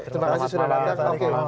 terima kasih sudah datang